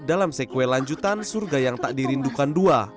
dalam sequel lanjutan surga yang tak dirindukan dua